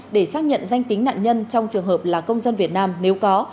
để xác nhận danh tính nạn nhân trong trường hợp là công dân việt nam nếu có